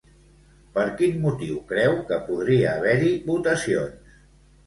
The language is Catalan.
Per quin motiu creu que podria haver-hi votacions?